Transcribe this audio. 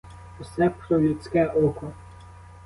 Усе про людське око!